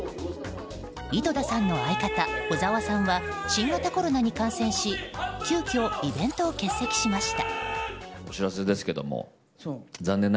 井戸田さんの相方・小沢さんは新型コロナに感染し急きょ、イベントを欠席しました。